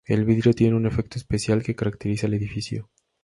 El vidrio tiene un efecto especial que caracteriza el edificio.